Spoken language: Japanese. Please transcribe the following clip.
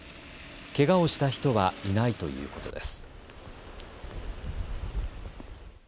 けがをした人はいないということです。